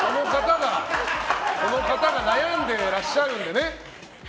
この方が悩んでらっしゃるんでね。